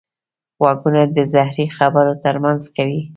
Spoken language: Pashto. غوږونه د زهري خبرو نه منع کوي